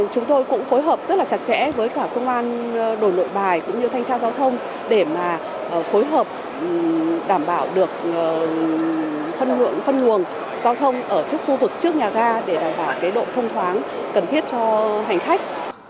chúng tôi cũng phối hợp rất là chặt chẽ với cả công an đổi nội bài cũng như thanh tra giao thông để mà phối hợp đảm bảo được phân luồng giao thông ở trước khu vực trước nhà ga để đảm bảo độ thông thoáng cần thiết cho hành khách